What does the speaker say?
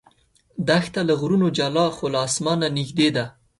دښته له غرونو جلا خو له اسمانه نږدې ده.